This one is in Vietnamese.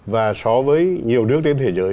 và so với nhiều nước trên thế giới